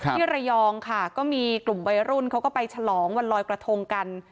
ที่ระยองค่ะก็มีกลุ่มวัยรุ่นเขาก็ไปฉลองวันลอยกระทงกัน